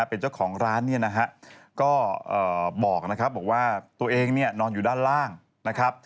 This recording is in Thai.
เป็นเจ้าของร้านเนี่ยนะฮะก็บอกนะครับบอกว่าตัวเองเนี่ยนอนอยู่ด้านล่างนะครับ